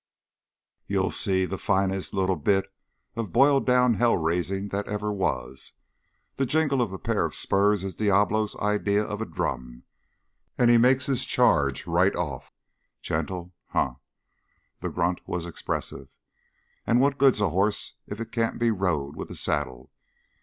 You'll see the finest little bit of boiled down hell raising that ever was! The jingle of a pair of spurs is Diablo's idea of a drum and he makes his charge right off! Gentle? Huh!" The grunt was expressive. "And what good's a hoss if he can't be rode with a saddle?"